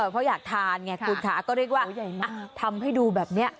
เพราะอยากทานไงคุณค่ะก็เรียกว่าทำให้ดูแบบนี้